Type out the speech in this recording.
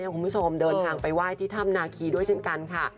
คุณผู้ชมเดินทางไปไหว้ที่ถ้ำนาคีด้วยเช่นกันค่ะ